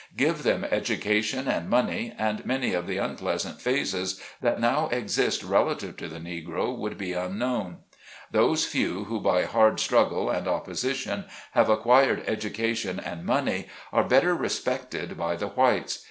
Give them education and money, and many of the unpleasant phases that now exist relative to the Negro would be unknown. Those few who, by hard strug gle and opposition, have acquired education and money, are better respected by the whites.